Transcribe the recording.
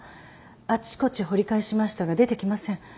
あちこち掘り返しましたが出てきません。